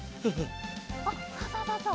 おっそうそうそうそう。